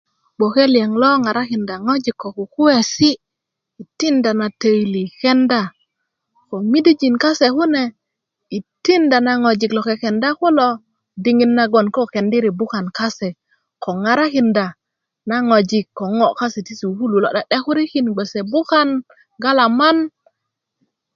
gboke liyaŋ lo ŋarakinda ŋojik ko kukuwesi' tinda na töyili yi kenda ko midijin kase kune yi tinda na ŋojik lo kekenda kulo diŋit nogoŋ koko kendiri bukan kase ko ŋarakinda na ŋojik ko ŋo' kase ti sukulu lo 'de'dekurikin gboso bukan galaman